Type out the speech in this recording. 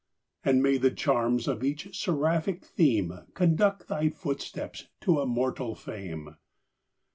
And may the charms of each seraphic theme Conduct thy footsteps to immortal fame!